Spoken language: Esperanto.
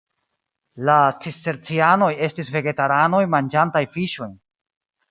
La cistercianoj estis vegetaranoj manĝantaj fiŝojn.